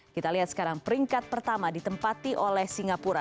kita lihat sekarang peringkat pertama ditempati oleh singapura